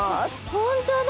本当だ。